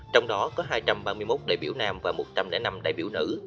trong đó có hai trăm ba mươi một đại biểu nam và một trăm linh năm đại biểu nữ